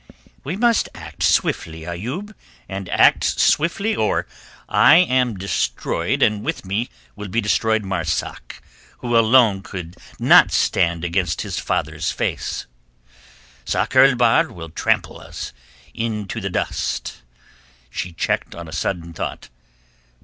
"We must act, Ayoub, and act swiftly, or I am destroyed and with me will be destroyed Marzak, who alone could not stand against his father's face. Sakr el Bahr will trample us into the dust." She checked on a sudden thought.